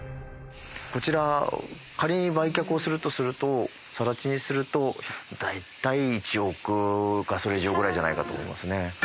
こちら仮に売却をするとすると更地にすると大体１億かそれ以上ぐらいじゃないかと思いますね。